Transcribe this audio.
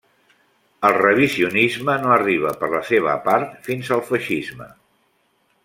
El revisionisme no arriba per la seva part fins al feixisme.